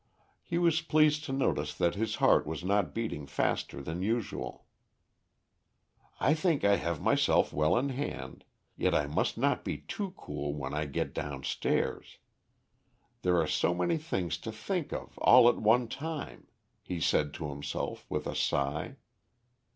He was pleased to notice that his heart was not beating faster than usual. "I think I have myself well in hand, yet I must not be too cool when I get downstairs. There are so many things to think of all at one time," he said to himself with a sigh.